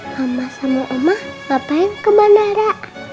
mama sama omah bapakin ke bandara